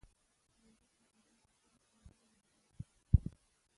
وادي د افغانانو لپاره په معنوي لحاظ ارزښت لري.